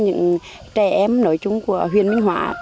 những trẻ em nổi trung của huyện minh hóa